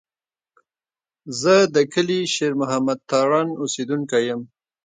زه د کلي شېر محمد تارڼ اوسېدونکی یم.